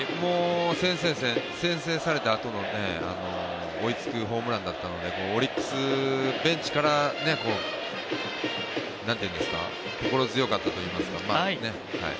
先制されたあとの追いつくホームランだったのでオリックスベンチは心強かったと思いますね。